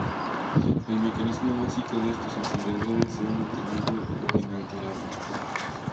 El mecanismo básico de estos encendedores se ha mantenido inalterable.